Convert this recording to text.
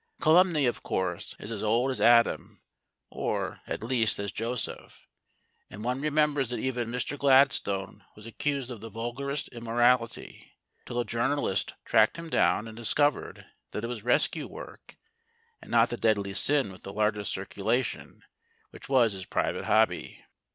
Calumny, of course, is as old as Adam or, at least, as Joseph and one remembers that even Mr Gladstone was accused of the vulgarest immorality till a journalist tracked him down and discovered that it was rescue work, and not the deadly sin with the largest circulation, which was his private hobby.